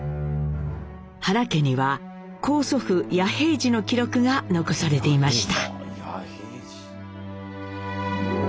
原家には高祖父弥平次の記録が残されていました。